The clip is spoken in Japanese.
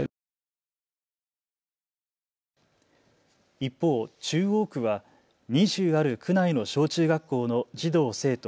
一方、中央区は２０ある区内の小中学校の児童・生徒